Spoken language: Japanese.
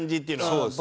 そうですね。